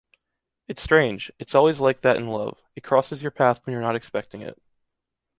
It’s strange, it’s always like that in love, it crosses your path when you’re not expecting it.